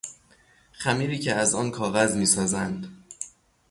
خمیری که از آن کاغذ میسازند